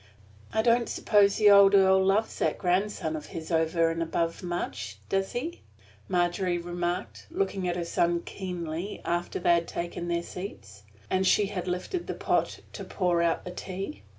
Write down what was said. "I don't suppose the old earl loves that grandson of his over and above much, does he?" Margery remarked, looking at her son keenly after they had taken their seats and she had lifted the pot to pour out the tea.